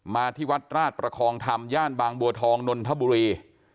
มาที่วัดราชประคองธรรมย่านบางบัวทองนนทบุรี